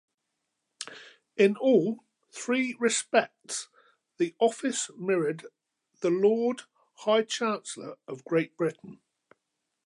In all three respects the office mirrored the Lord High Chancellor of Great Britain.